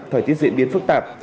thời tiết diễn biến phức tạp